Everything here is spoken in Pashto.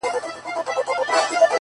• چي په لاسونو كي رڼا وړي څوك ـ